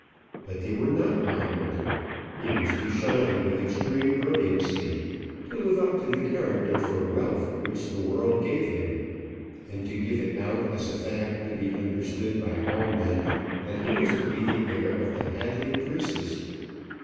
But they were not moderate. He wished to shine with extreme brilliancy; to live up to the character for wealth which the world gave him; and to give it out as a fact to be understood by all men that he was to be the heir of the Hadley Croesus.